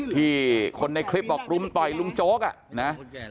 ที่คนในคลิปบอกรุมต่อยลุงโจ๊กอ่ะนะ